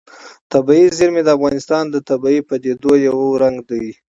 طبیعي زیرمې د افغانستان د طبیعي پدیدو یو رنګ دی.